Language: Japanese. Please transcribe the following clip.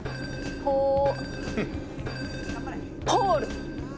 ポール！